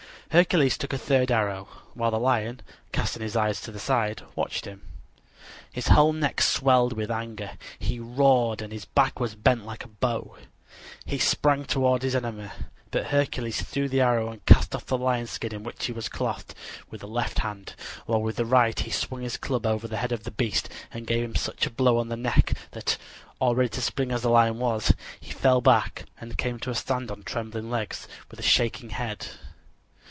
Hercules took a third arrow, while the lion, casting his eyes to the side, watched him. His whole neck swelled with anger; he roared, and his back was bent like a bow. He sprang toward his enemy; but Hercules threw the arrow and cast off the lion skin in which he was clothed with the left hand, while with the right he swung his club over the head of the beast and gave him such a blow on the neck that, all ready to spring as the lion was, he fell back, and came to a stand on trembling legs, with shaking head.